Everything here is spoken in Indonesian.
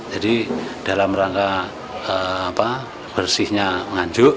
jadi dalam rangka bersihnya nganjuk